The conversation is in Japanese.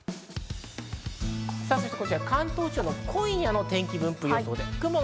こちら関東地方の今夜の天気分布です。